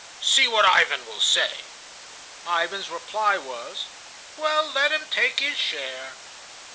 "See what Ivan will say." Ivan's reply was: "Well, let him take his share."